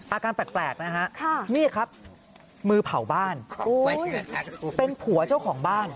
อาการแปลกนะฮะนี่ครับมือเผาบ้านเป็นผัวเจ้าของบ้าน